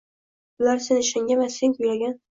Bular — sen ishongan va sen kuylagan